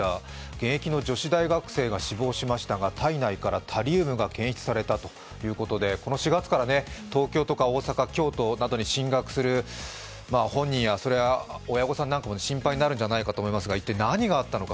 現役の女子大学生が死亡しましたが体内からタリウムが検出されたということでこの４月から東京とか大阪、京都などに進学する本人や、親御さんなんかも心配になるんじゃないかと思いますが、一体、何があったのか。